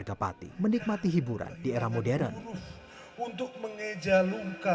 tanpa mengurangi sisi keagamaan sampah kgusuran seakan menjadi magnet bagi kita